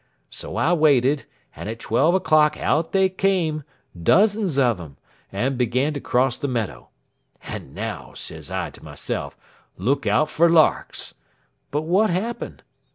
So I waited, and at twelve o'clock out they came, dozens of them, and began to cross the meadow. 'And now,' sez I to myself, 'look out for larks.' But what happened?